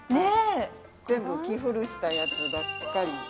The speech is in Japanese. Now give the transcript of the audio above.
全部着古したやつばっかり。